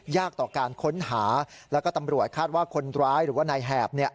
ต่อการค้นหาแล้วก็ตำรวจคาดว่าคนร้ายหรือว่านายแหบ